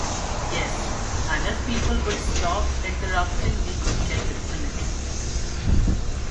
Yes, and if people would stop interrupting we could get it finished.